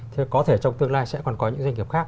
thế có thể trong tương lai sẽ còn có những doanh nghiệp khác